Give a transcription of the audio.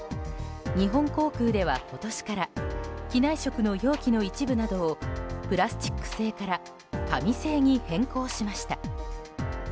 日本航空では今年から機内食の容器の一部などをプラスチック製から紙製に変更しました。